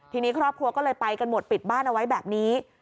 ทีนี้ครอบครัวก็เลยไปกันหมดปิดบ้านเอาไว้แบบนี้